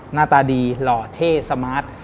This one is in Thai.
หน้าตาดีหล่อเท่สมาร์ท